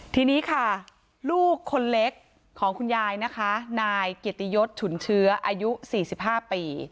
ทีนี้ค่าลูกคนเล็กของคุณยายนะคะไหนเกิดตียดฉุนเชื้ออายุสี่สิบห้าปี